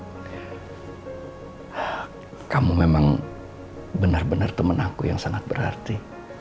lid kamu memang bener bener temen aku yang sangat berarti